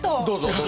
どうぞ。